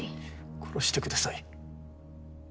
殺してください。